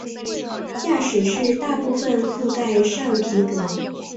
驾驶室大部份覆盖上皮革。